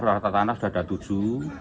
rata rata tanah sudah ada tujuh